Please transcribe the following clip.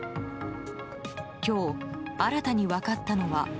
今日、新たに分かったのは。